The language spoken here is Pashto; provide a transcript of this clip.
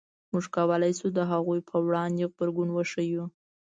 موږ کولای شو د هغوی په وړاندې غبرګون وښیو.